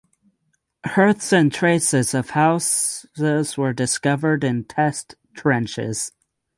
Hearths and traces of houses were discovered in test trenches.